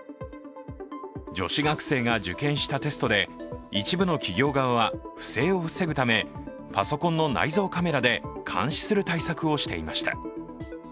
女子学生が受検したテストで一部の企業側は不正を防ぐためパソコンの内蔵カメラで監視する対策をしていました。